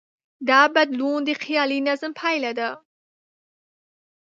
دا بدلون د خیالي نظم پایله ده.